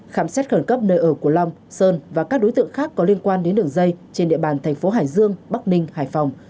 khám xét khẩn cấp nơi ở của long sơn và các đối tượng khác có liên quan đến đường dây trên địa bàn thành phố hải dương bắc ninh hải phòng